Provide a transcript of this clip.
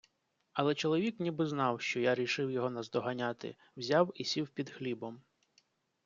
Але чоловік ніби знав, що я рішив його наздоганяти, взяв і сів під хлібом.